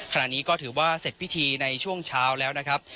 ขณะนี้ก็ถือว่าเสร็จพิธีในช่วงเช้าแล้วนะครับ